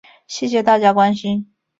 谢谢大家关心